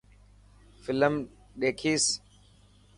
فلم ڏيکيس.